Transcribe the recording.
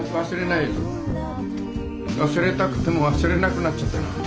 忘れたくても忘れなくなっちゃった。